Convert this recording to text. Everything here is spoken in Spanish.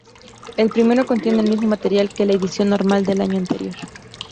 El primero contiene el mismo material que la edición normal del año anterior.